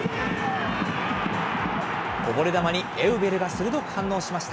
こぼれ球にエウベルが鋭く反応しました。